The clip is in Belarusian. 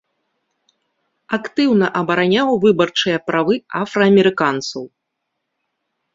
Актыўна абараняў выбарчыя правы афраамерыканцаў.